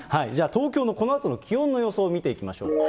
東京のこのあとの気温の予想を見ていきましょ